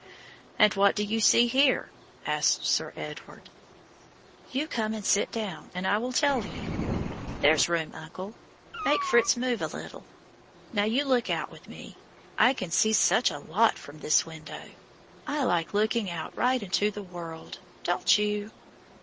"And what do you see here?" asked Sir Edward. "You come and sit down, and I will tell you. There's room, uncle; make Fritz move a little. Now, you look out with me. I can see such a lot from this window. I like looking out right into the world; don't you?"